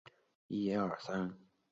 官至漕运总督。